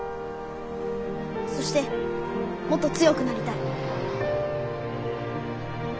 そしてもっと強くなりたい。